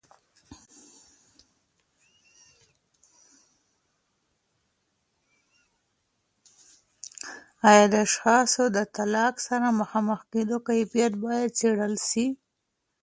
آیا د اشخاصو د طلاق سره مخامخ کیدو کیفیت باید څیړل سي؟